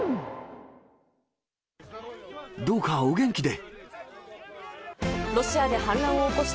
どうかお元気で。